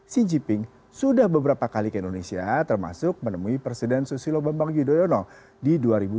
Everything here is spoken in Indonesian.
xi jinping sudah beberapa kali ke indonesia termasuk menemui presiden susilo bambang yudhoyono di dua ribu dua puluh tiga